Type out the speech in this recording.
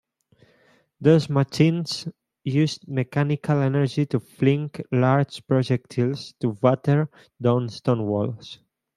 These machines used mechanical energy to fling large projectiles to batter down stone walls.